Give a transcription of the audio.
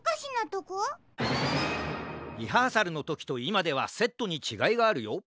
リハーサルのときといまではセットにちがいがあるよ。